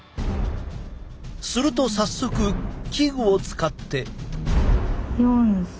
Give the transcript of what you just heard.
すると早速器具を使って。